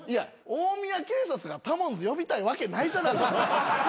大宮警察がタモンズ呼びたいわけないじゃないですか。